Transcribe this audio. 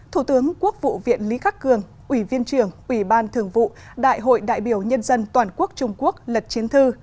thủ tướng quốc vụ viện lý khắc cường ủy viên trưởng ủy ban thường vụ đại hội đại biểu nhân dân toàn quốc trung quốc lật chiến thư